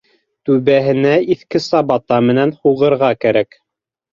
Түбәһенә иҫке сабата менән һуғырға кәрәк.